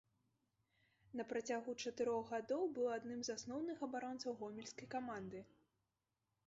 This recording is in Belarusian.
На працягу чатырох гадоў быў адным з асноўных абаронцаў гомельскай каманды.